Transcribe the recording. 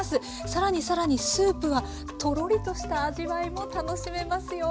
更に更にスープはトロリとした味わいも楽しめますよ。